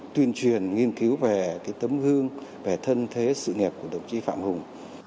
tuyên truyền nghiên cứu về tấm gương về thân thế sự nghiệp của đồng chí phạm hùng